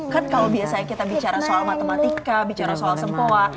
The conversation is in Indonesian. kan kalau biasanya kita bicara soal matematika bicara soal sempowa